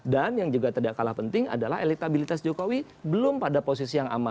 dan yang juga tidak kalah penting adalah elektabilitas jokowi belum pada posisi yang aman